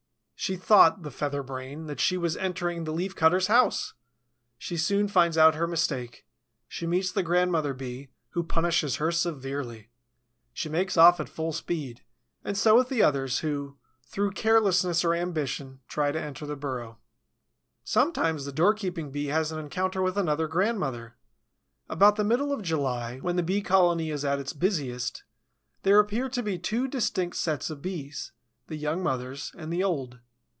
She thought, the featherbrain, that she was entering the Leaf cutter's house! She soon finds out her mistake; she meets the grandmother Bee, who punishes her severely. She makes off at full speed. And so with the others who, through carelessness or ambition, try to enter the burrow. Sometimes the doorkeeping Bee has an encounter with another grandmother. About the middle of July, when the Bee colony is at its busiest, there appear to be two distinct sets of Bees: the young mothers and the old.